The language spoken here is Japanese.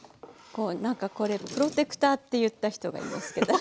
なんかこれプロテクターって言った人がいますけど。